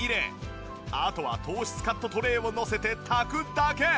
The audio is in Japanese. あとは糖質カットトレーをのせて炊くだけ。